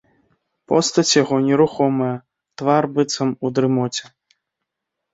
Постаць яго нерухомая, твар быццам у дрымоце.